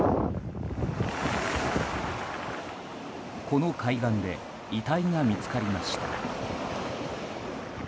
この海岸で遺体が見つかりました。